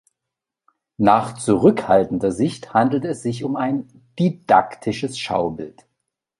Nach zurückhaltender Sicht handelt es sich um ein "didaktisches Schaubild".